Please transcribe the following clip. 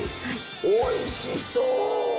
おいしそう！